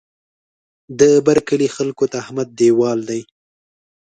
د بر کلي خلکو ته احمد دېوال دی.